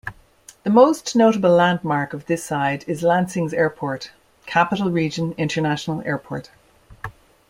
The most notable landmark of this side is Lansing's airport: Capital Region International Airport.